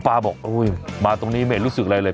หมอป้าบอกอุ๊ยมาตรงนี้ไม่เห็นรู้สึกอะไรเลย